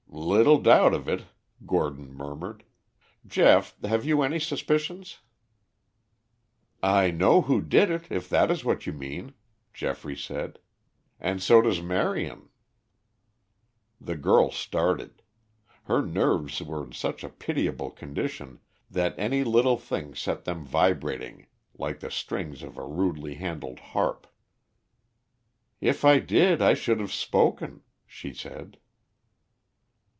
"Little doubt of it," Gordon murmured. "Geoff, have you any suspicions?" "I know who did it, if that is what you mean," Geoffrey said, "and so does Marion." The girl started. Her nerves were in such a pitiable condition that any little thing set them vibrating like the strings of a rudely handled harp. "If I did I should have spoken," she said.